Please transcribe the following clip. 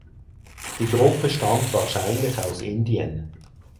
Die Gruppe stammt wahrscheinlich aus Indien.